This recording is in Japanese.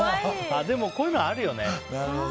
でもこういうのあるよね。